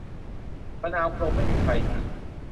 มะนาวกลมไม่มีใครกลึง